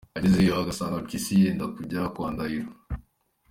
Agezeyo asanga Mpyisi yenda kujya kwa Ndahiro.